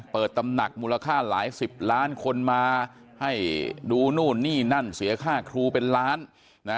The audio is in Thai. ตำหนักมูลค่าหลายสิบล้านคนมาให้ดูนู่นนี่นั่นเสียค่าครูเป็นล้านนะ